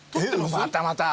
またまた。